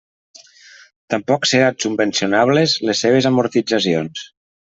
Tampoc seran subvencionables les seves amortitzacions.